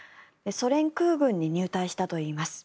ソ連空軍に入隊したといいます。